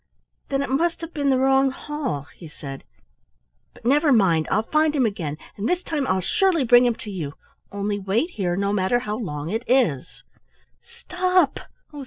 "Then it must have been the wrong hall," he said. "But never mind! I'll find him again, and this time I'll surely bring him to you; only wait here no matter how long it is." "Stop!